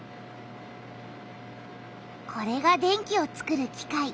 これが電気をつくる機械。